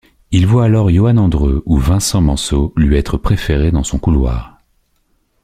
Il voit alors Yoann Andreu ou Vincent Manceau lui être préférés dans son couloir.